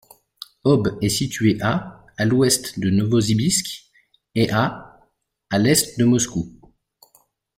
Ob est située à à l'ouest de Novossibirsk et à à l'est de Moscou.